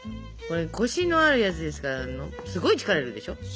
これコシのあるやつですからすごい力いるでしょ。